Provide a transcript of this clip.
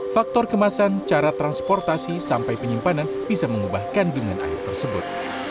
faktor kemasan cara transportasi sampai penyimpanan bisa mengubah kandungan air tersebut